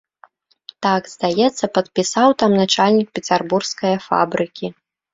Так, здаецца, падпісаў там начальнік пецярбургскае фабрыкі.